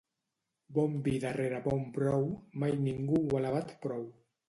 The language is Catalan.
Bon vi darrere bon brou mai ningú no ha alabat prou.